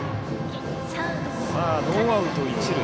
ノーアウト、一塁。